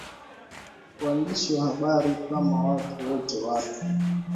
waandishi wa habari Kama watu wote watu